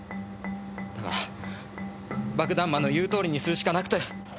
だから爆弾魔の言う通りにするしかなくて。